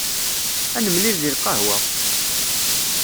Ad nemlil deg lqahwa!